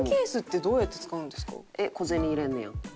えっ小銭入れんねやん。